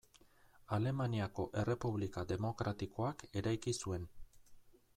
Alemaniako Errepublika demokratikoak eraiki zuen.